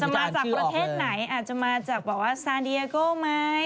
จะมาจากประเทศไหนอาจจะมาจากบอกว่าศาสน์เดียโกมั๊ย